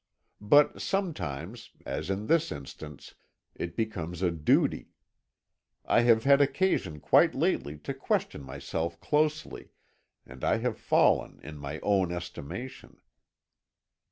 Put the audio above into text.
But sometimes, as in this instance, it becomes a duty. I have had occasion quite lately to question myself closely, and I have fallen in my own estimation.